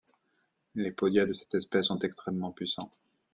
Les podia de cette espèce sont extrêmement puissants.